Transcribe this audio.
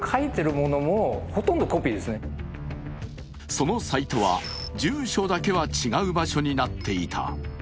そのサイトは住所だけは違う場所になっていた。